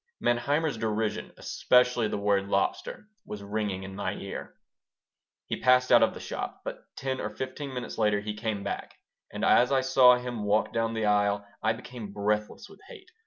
Manheimer's derision, especially the word "lobster," was ringing in my ear. He passed out of the shop, but ten or fifteen minutes later he came back, and as I saw him walk down the aisle I became breathless with hate.